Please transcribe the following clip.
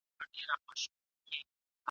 هغه زما د هرې ساه په ارزښت پوهېږي.